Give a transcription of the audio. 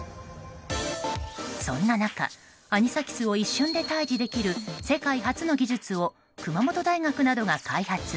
そんな中、アニサキスを一瞬で退治できる世界初の技術を熊本大学などが開発。